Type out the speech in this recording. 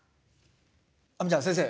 亜美ちゃん先生